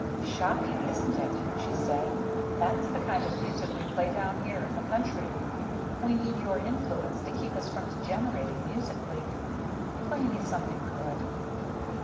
"Shocking, isn't it?" she said. "That's the kind of music we play down here in the country. We need your influence to keep us from degenerating musically. Play me something good."